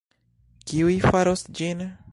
Kiuj faros ĝin?